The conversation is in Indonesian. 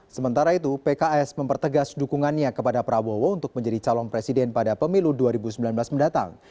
sementara itu pks mempertegas dukungannya kepada prabowo untuk menjadi calon presiden pada pemilu dua ribu sembilan belas mendatang